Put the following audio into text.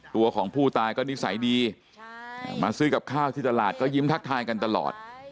ตัวของผู้ตายก็นิสัยดีมาซื้อกับข้าวที่ตลาดก็ยิ้มทักทายกันตลอด